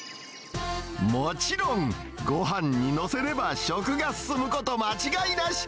もちろん、ごはんに載せれば、食が進むこと間違いなし。